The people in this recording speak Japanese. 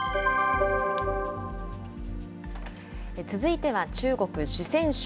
続いては中国・四川省。